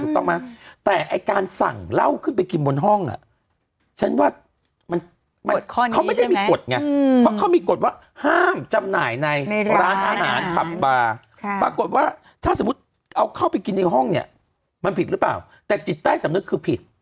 ปรากฏว่าถ้าสมมติเอาเข้าไปกินในห้องเนี่ยมันผิดหรือเปล่าแต่จิตใต้สำนึกคือผิด